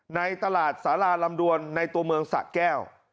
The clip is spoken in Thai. ในตลาดสาราลำดวนในตัวเมืองสะแก้ว